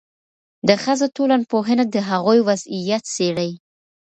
د ښځو ټولنپوهنه د هغوی وضعیت څېړي.